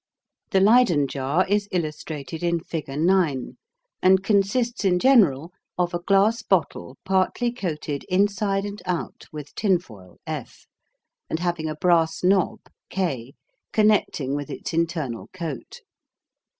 The Leyden jar is illustrated in figure 9, and consists in general of a glass bottle partly coated inside and out with tinfoil F, and having a brass knob K connecting with its internal coat.